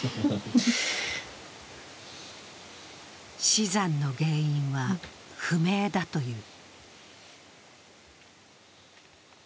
死産の原因は不明だという。